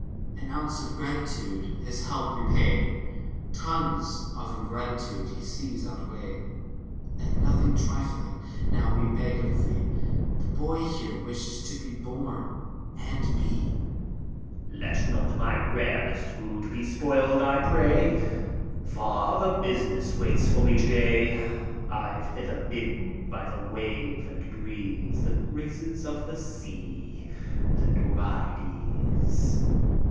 An ounce of gratitude, his help repaying. Tons of ingratitude he sees outweighing. And nothing trifling now we beg of thee ; The boy here wishes to be born, and be. NEREUS. Let not my rarest mood be spoiled, I pray! Far other business waits for me to day. I've hither bidden, by the wave and breeze. The Graces of the Sea, the Dorides.